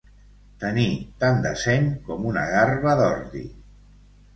Tenir tant de seny com una garba d'ordi.